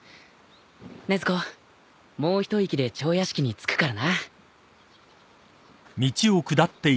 禰豆子もう一息で蝶屋敷に着くからな。